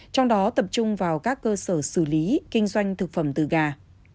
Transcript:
trong đó tập trung vào các cơ sở xử lý kinh doanh thực phẩm từ gà